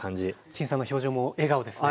陳さんの表情も笑顔ですね。